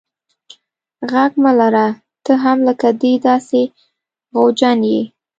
ږغ مه لره ته هم لکه دی داسي خوجن یې.